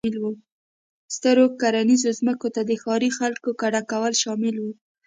ستر کرنیزو ځمکو ته د ښاري خلکو کډه کول شامل و.